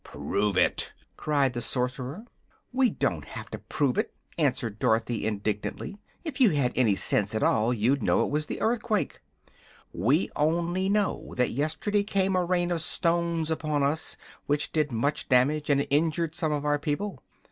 "Prove it!" cried the Sorcerer. "We don't have to prove it," answered Dorothy, indignantly. "If you had any sense at all you'd known it was the earthquake." "We only know that yesterday came a Rain of Stones upon us, which did much damage and injured some of our people.